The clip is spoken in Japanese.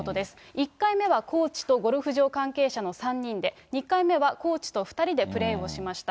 １回目はコーチとゴルフ場関係者の３人で、２回目はコーチと２人でプレーをしました。